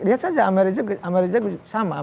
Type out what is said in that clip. lihat saja amerika sama